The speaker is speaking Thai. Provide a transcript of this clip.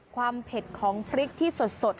เผ็ดของพริกที่สด